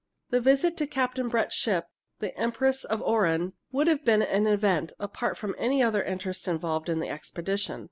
The visit to Captain Brett's ship, The Empress of Oran, would have been an event, apart from any other interest involved in the expedition.